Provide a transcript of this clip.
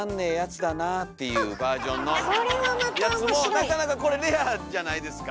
なかなかこれレアじゃないですか？